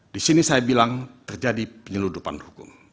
di sini saya bilang terjadi penyeludupan hukum